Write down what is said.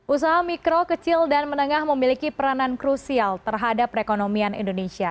usaha mikro kecil dan menengah memiliki peranan krusial terhadap perekonomian indonesia